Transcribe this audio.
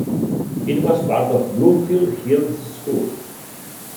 It was a part of Bloomfield Hills Schools.